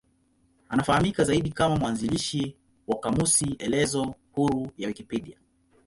Anafahamika zaidi kama mwanzilishi wa kamusi elezo huru ya Wikipedia.